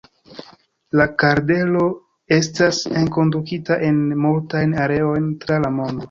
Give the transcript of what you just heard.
La kardelo estas enkondukita en multajn areojn tra la mondo.